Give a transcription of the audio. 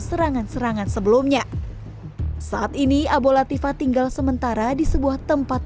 serangan serangan sebelumnya saat ini abo latifa tinggal sementara di sebuah tempat